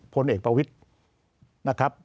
พลเอกประวิทธิ์